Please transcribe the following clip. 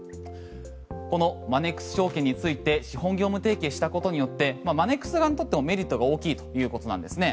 このマネックス証券について資本業務提携したことによってマネックス側にとってもメリットが大きいということなんですね。